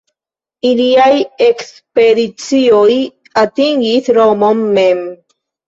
Iliaj ekspedicioj atingis Romon mem.